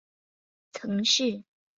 曾是国际贸易与工业部第一副部长。